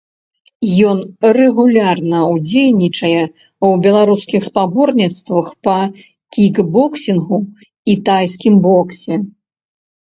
Ён рэгулярна ўдзельнічае ў беларускіх спаборніцтвах па кікбоксінгу і тайскім боксе.